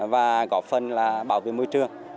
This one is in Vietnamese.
và có phần là bảo vệ môi trường